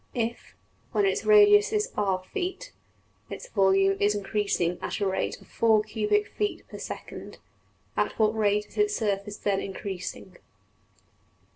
If, when its radius is $r$~feet, its volume is increasing at the rate of $4$~cubic feet per~second, at what rate is its surface then increasing?